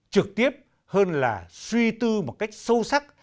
trực tiếp hơn là suy tư một cách sâu sắc